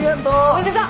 おめでとう！